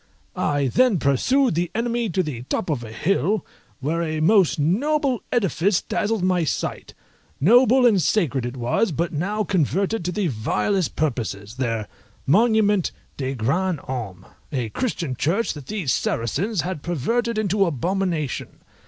I then pursued the enemy to the top of a hill, where a most noble edifice dazzled my sight; noble and sacred it was but now converted to the vilest purposes, their monument de grands hommes, a Christian church that these Saracens had perverted into abomination.